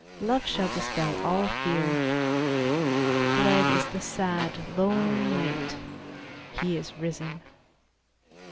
Love shall dispel all fear ; Fled is the sad, lone night; " He is risen